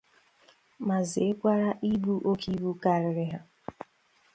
ma zèkwara ibu oke ibu karịrị ha